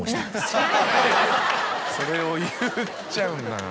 それを言っちゃうんだな。